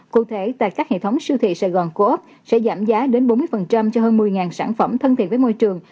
cụ thể tại các hệ thống siêu thị sài gòn co op sẽ giảm giá đến bốn mươi cho hơn một mươi sản phẩm thân thiện với môi trường